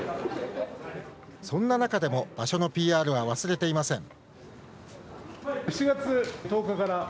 そんな中でも場所のＰＲは忘れていません。